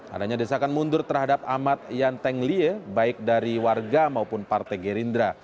adanya desakan mundur terhadap ahmad yanteng lie baik dari warga maupun partai gerindra